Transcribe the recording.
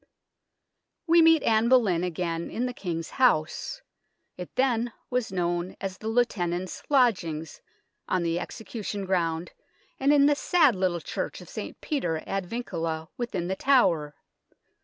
We meet Anne Boleyn again in the King's House it then was known as the Lieu tenant's Lodgings on the execution ground, and in the sad little church of St. Peter ad Vincula within The Tower.